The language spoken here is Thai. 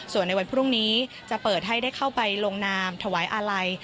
ส่วนในวันพรุ่งนี้จะเปิดให้ได้เข้าไปลงนามถวายอาลัย